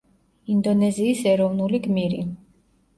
ინდონეზიის ეროვნული გმირი.